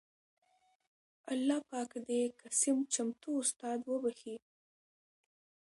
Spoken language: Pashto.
اللهٔ پاک د قسيم چمتو استاد وبښي